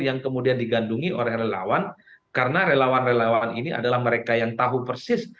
yang kemudian digandungi oleh relawan karena relawan relawan ini adalah mereka yang tahu persis